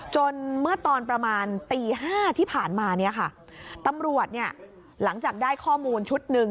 จนเมื่อตอนประมาณตี๕ที่ผ่านมาตำรวจหลังจากได้ข้อมูลชุดหนึ่ง